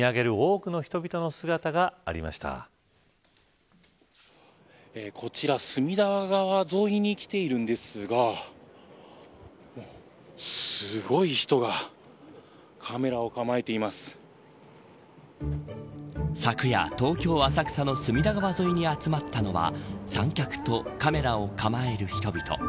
日本でも夜空を見上げるこちら、隅田川沿いに来ているんですがすごい人が昨夜、東京・浅草の隅田川沿いに集まったのは三脚とカメラを構える人々。